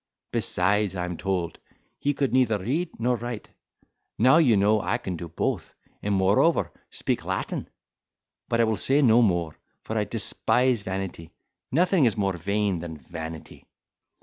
Besides, I am told, he could neither read nor write; now you know I can do both, and moreover, speak Latin—but I will say no more, for I despise vanity—nothing is more vain than vanity."